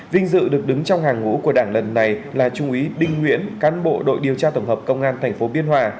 vinh dự được đứng trong hàng ngũ của đảng lần này là trung úy đinh nguyễn cán bộ đội điều tra tổng hợp công an tp biên hòa